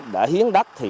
đã hiến đất thì